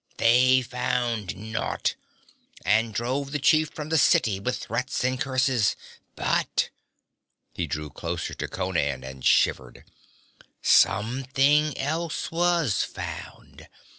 They found naught! And drove the chief from the city with threats and curses! But ' he drew closer to Conan and shivered 'something else was found!